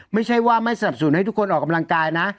ไม่ใช่ว่าไม่สนับสนุนให้ทุกคนออกกำลังกายนะ